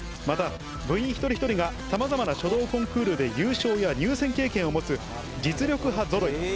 また部員一人一人がさまざまな書道コンクールで優勝や入選経験を持つ実力派ぞろい。